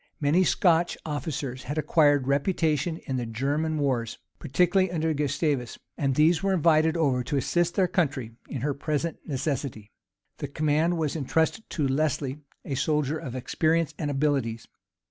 Many Scotch officers had acquired reputation in the German wars, particularly under Gustavus; and these were invited over to assist their country in her present necessity. The command was intrusted to Lesley, a soldier of experience and abilities.